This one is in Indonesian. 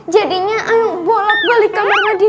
jadinya ayo bolak balik kamar mandi